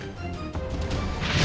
dengan mata kepala aku sendiri